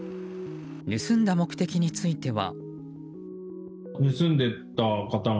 盗んだ目的については。